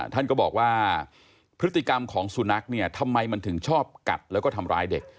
ท่านก็บอกว่าพฤติกรรมของสุนัขเนี่ยทำไมมันถึงชอบกัดแล้วก็ทำร้ายเด็ก